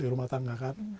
untuk rumah tangga kan